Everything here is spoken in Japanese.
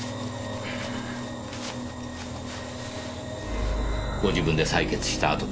ご自分で採血した跡ですね？